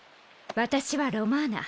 私はロマーナ。